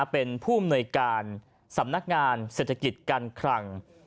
เป็นผู้มนุยการสำนักงานเศรษฐกิจกรรกร่าง